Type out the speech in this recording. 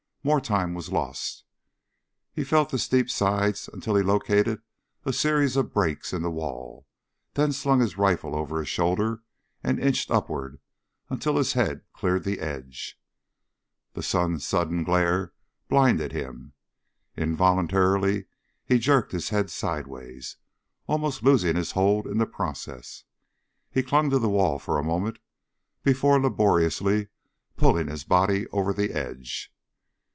More time was lost. He felt the steep sides until he located a series of breaks in the wall, then slung his rifle over his shoulder and inched upward until his head cleared the edge. The sun's sudden glare blinded him. Involuntarily he jerked his head sideways, almost losing his hold in the process. He clung to the wall for a moment before laboriously pulling his body over the edge.